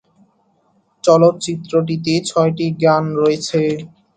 চলচ্চিত্রটিতে ছয়টি গান রয়েছে।